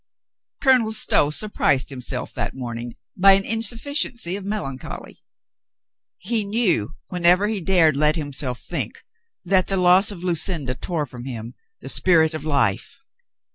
Colonel Stow surprised himself that morning by an insufficiency of melancholy. He knew, whenever he dared let himself think, that the loss of Lucinda tore from him the spirit of life.